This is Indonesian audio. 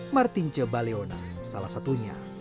martinche baleona salah satunya